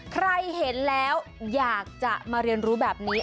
ใครเห็นแล้วอยากจะมาเรียนรู้แบบนี้